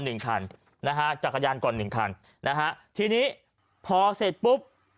หนึ่งคันนะฮะจักรยานก่อนหนึ่งคันนะฮะทีนี้พอเสร็จปุ๊บ